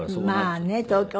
まあね東京。